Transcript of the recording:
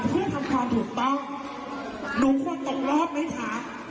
เพื่อทำความถูกต้องหนูควรตกรอบไหมคะ